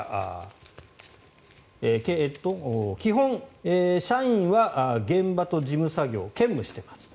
基本、社員は現場と事務作業を兼務してます。